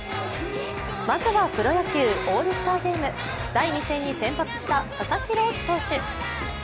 まずはプロ野球、オールスターゲーム、第２戦に先発した佐々木朗希投手。